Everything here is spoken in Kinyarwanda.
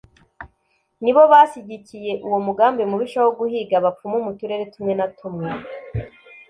nibo bashyigikiye uwo mugambi mubisha wo guhiga abapfumu mu turere tumwe na tumwe